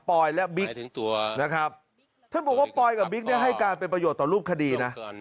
อยและบิ๊กนะครับท่านบอกว่าปอยกับบิ๊กเนี่ยให้การเป็นประโยชน์ต่อรูปคดีนะ